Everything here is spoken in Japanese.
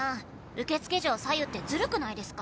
「受付嬢さゆってずるくないですか！」